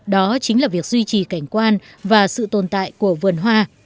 đó chính là việc duy trì cảnh quan và sự tồn tại của vườn hoa